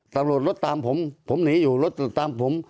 ตำรวจรถตามผมผมหนีอยู่รถติดตามผม